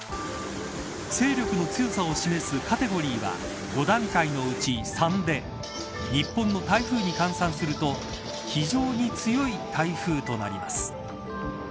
勢力の強さを示すカテゴリーは５段階のうち３で日本の台風に換算すると非常に強い台風となります。